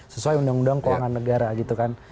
sesuai undang undang keuangan negara gitu kan